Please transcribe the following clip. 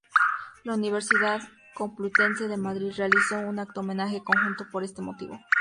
La Universidad Complutense de Madrid realizó un acto-homenaje conjunto por ese motivo.